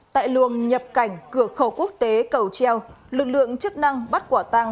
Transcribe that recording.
tại luồng nhập cảnh cửa khẩu quốc tế cầu treo lực lượng chức năng bắt quả tàng